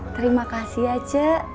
terima kasih ya c